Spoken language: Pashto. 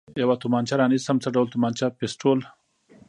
یوه تومانچه را نیسم، څه ډول تومانچه؟ پېسټول.